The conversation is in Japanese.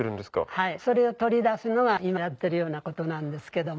はいそれを取り出すのが今やってるようなことなんですけども。